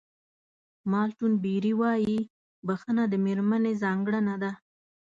مالټون بېري وایي بښنه د مېرمنې ځانګړنه ده.